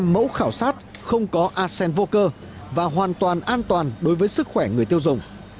mẫu khảo sát không có acen vô cơ và hoàn toàn an toàn đối với sức khỏe người tiêu dùng